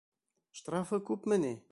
Штрафы күпме ни?